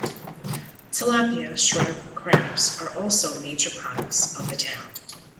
Tilapia, shrimp, crabs are also major products of the town.